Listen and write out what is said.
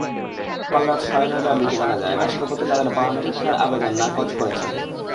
গতকাল রাত সাড়ে নয়টার দিকে জানা যায়, রাষ্ট্রপতি তাঁদের প্রাণভিক্ষার আবেদন নাকচ করেছেন।